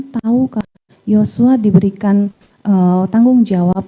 tahu yosua diberikan tanggung jawab